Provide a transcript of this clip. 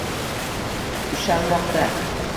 Ushalmoqda